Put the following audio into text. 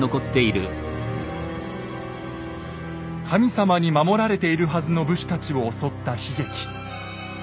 神様に守られているはずの武士たちを襲った悲劇。